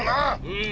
うん。